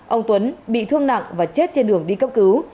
ông tuấn bị thương nặng và chết trên đường đi cấp cứu